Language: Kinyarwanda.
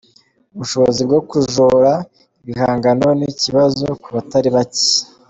Ubushobozi bwo kujora ibihangano ni ikibazo ku batari bake.